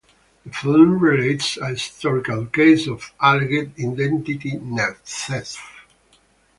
The film relates a historical case of alleged identity theft.